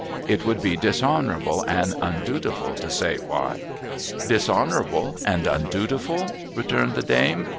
It would be dishonoural)le and undutifiil to say why.' 'Dishonourable and undutiful?' returned the dame.